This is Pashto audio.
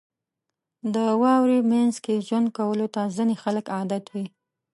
• د واورې مینځ کې ژوند کولو ته ځینې خلک عادت وي.